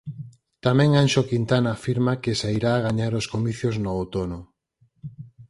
Tamén Anxo Quintana afirma que sairá a gañar os comicios no outono.